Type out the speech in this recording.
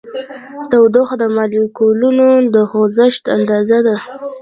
تودوخه د مالیکولونو د خوځښت اندازه ده.